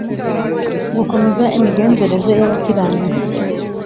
gukomeza imigenzereze y’abakiranutsi